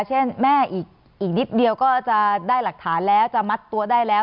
เช่นแม่อีกนิดเดียวก็จะได้หลักฐานแล้วจะมัดตัวได้แล้ว